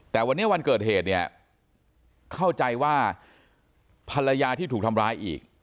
แต่วันนี้วันเกิดเหตุเนี่ยเข้าใจว่าภรรยาที่ถูกทำร้ายอีก